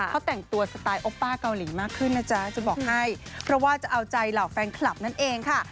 เขาแต่งตัวสไตล์โอป้าเกาหลีมากขึ้นนะจ๊ะจะบอกให้เพราะว่าจะเอาใจเหล่าแฟนคลับนั่นเองค่ะ